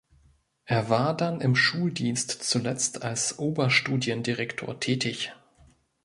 Er war dann im Schuldienst, zuletzt als Oberstudiendirektor tätig.